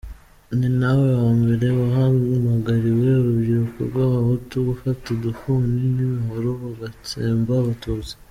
Ni nawe wa mbere wahamagariye urubyiruko rw’abahutu gufata ‘udufuni n’imihoro’ bagatsemba abatutsi.